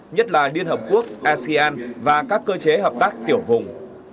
nhất là liên hợp quốc asean và các cơ chế hợp tác tiểu vùng